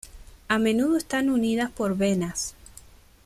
A menudo están unidas por venas.